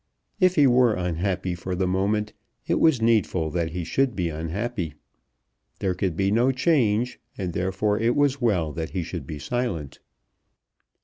If he were unhappy for the moment it was needful that he should be unhappy. There could be no change, and therefore it was well that he should be silent.